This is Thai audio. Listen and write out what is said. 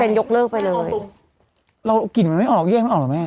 เป็นยกเลิกไปเลยเรากลิ่นมันไม่ออกแยกไม่ออกเหรอแม่